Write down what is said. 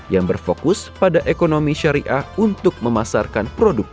yang berfokus pada ekonomi syariah untuk memasarkan produk